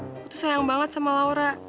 aku tuh sayang banget sama laura